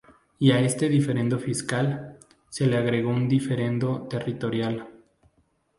Y a este diferendo fiscal, se le agregó un diferendo territorial.